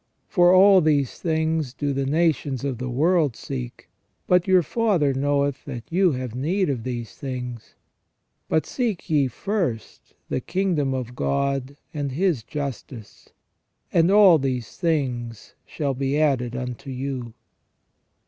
For all these things do the nations of the world seek. But your Father knoweth that you have need of these things. But seek ye first the kingdom of God and His justice, and all these things shall be added unto you."